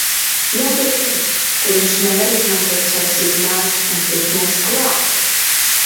Jātiek tuvu, kur viņš nevar izmantot savus izmērus un tikt mums klāt!